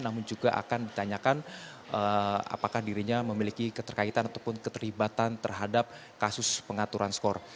namun juga akan ditanyakan apakah dirinya memiliki keterkaitan ataupun keterlibatan terhadap kasus pengaturan skor